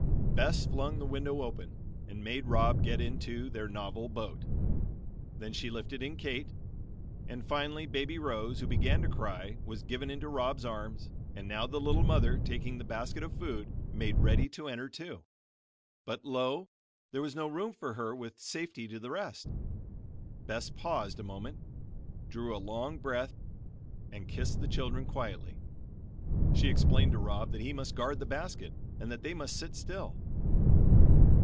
Bess flung the window open, and made Rob get into their novel boat; then she lifted in Kate, and finally baby Rose, who began to cry, was given into Rob's arms, and now the little mother, taking the basket of food, made ready to enter, too; but, lo! there was no room for her with safety to the rest. Bess paused a moment, drew a long breath, and kissed the children quietly. She explained to Rob that he must guard the basket, and that they must sit still.